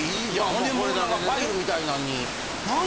ほんでもうファイルみたいなんに。